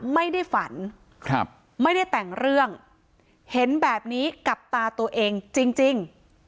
ไม่ได้ฝันครับไม่ได้แต่งเรื่องเห็นแบบนี้กับตาตัวเองจริง